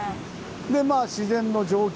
でまあ自然の条件